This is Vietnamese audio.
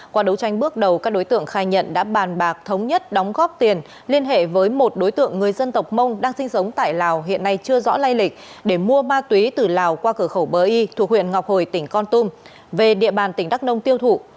qua đấu tranh bước đầu các đối tượng khai nhận đã bàn bạc thống nhất đóng góp tiền liên hệ với một đối tượng người dân tộc mông đang sinh sống tại lào hiện nay chưa rõ lây lịch để mua ma túy từ lào qua cửa khẩu bờ y thuộc huyện ngọc hồi tỉnh con tum về địa bàn tỉnh đắk nông tiêu thụ